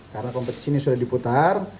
karena kompetisi ini sudah diputar